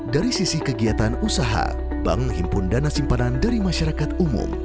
dari sisi kegiatan usaha bank menghimpun dana simpanan dari masyarakat umum